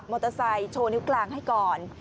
มอเตอร์ไซค์ว่ามอเตอร์ไซค์โชว์นิ้วกลางให้ก่อน